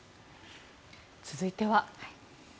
続いては。